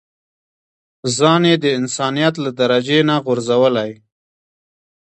ځان يې د انسانيت له درجې نه غورځولی.